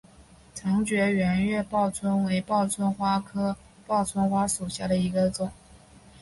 长蒴圆叶报春为报春花科报春花属下的一个种。